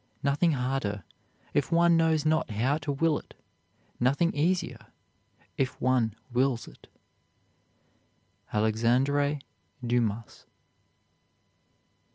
Nothing harder, if one knows not how to will it; nothing easier, if one wills it. ALEXANDRE DUMAS.